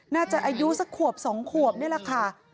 น่าจะอายุสักขวบสองขวบนี่แหละค่ะ